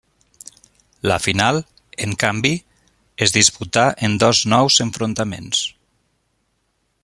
La final, en canvi, es disputà en dos nous enfrontaments.